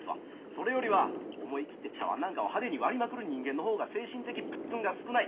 それよりは思い切って茶わんなんかを派手に割りまくる人間の方が精神的プッツンが少ない。